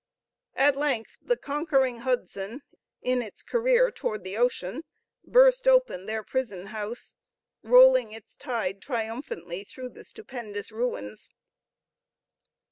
At length the conquering Hudson, in its career toward the ocean, burst open their prison house, rolling its tide triumphantly through the stupendous ruins.